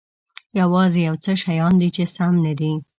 یوازې یو څه شیان دي چې سم نه دي.